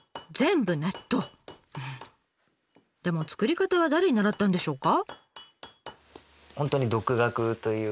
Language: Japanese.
でも作り方は誰に習ったんでしょうか？